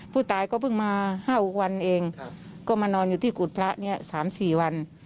ผู้ตายก็เพิ่งมา๕๖วันเองก็มานอนอยู่ที่กุฎพระเนี่ย๓๔วัน